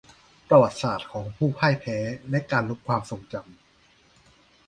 ประวัติศาสตร์ของผู้พ่ายแพ้และการลบความทรงจำ